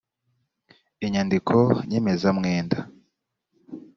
inyandiko nyemezamwenda